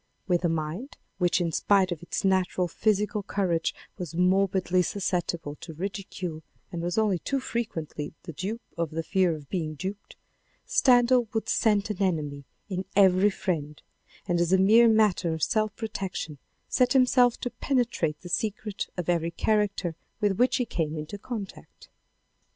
With a mind, which in spite of its natural physical courage was morbidly susceptible to ridicule and was only too frequently the dupe of the fear of being duped, Stendhal would scent an enemy in every friend, and as a mere matter of self protection set himself to penetrate the secret of every character with which he came into contact.